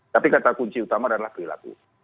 tapi kata kunci utama adalah perilaku